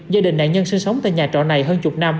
gia đình nạn nhân sinh sống tại nhà trọ này hơn chục năm